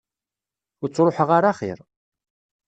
Ur ttruḥeɣ ara axir.